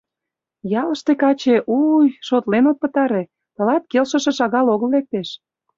Ялыште каче — у-уй, шотлен от пытаре, тылат келшыше шагал огыл лектеш.